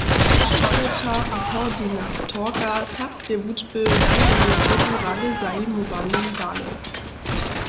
Fachowča a koordinatorka serbskeje wučby dawa jeje wědu rady zajimowanym dale.